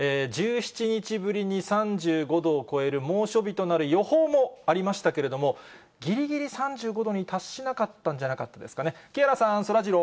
１７日ぶりに３５度を超える猛暑日となる予報もありましたけれども、ぎりぎり３５度に達しなかったんじゃなかったですかね。